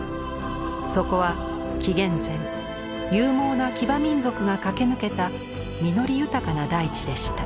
そこは紀元前勇猛な騎馬民族が駆け抜けた実り豊かな大地でした。